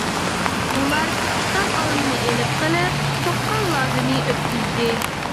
ئۇلار ئىككى تال ئالمىنى ئېلىپ قېلىپ، سوققان لازىنى ئۆتكۈزدى.